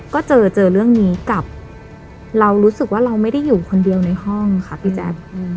ก็เจอเจอเรื่องนี้กับเรารู้สึกว่าเราไม่ได้อยู่คนเดียวในห้องค่ะพี่แจ๊ค